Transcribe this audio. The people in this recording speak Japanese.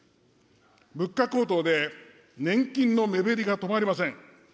物価高騰で、年金の目減りが止まりません。